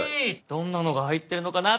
どんなのが入ってるのかな？